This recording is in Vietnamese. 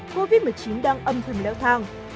covid một mươi chín đang âm thùm léo thang